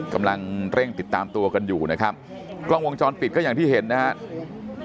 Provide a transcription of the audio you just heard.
กำลังเร่งติดตามตัวกันอยู่นะครับกล้องวงจรปิดก็อย่างที่เห็นนะครับ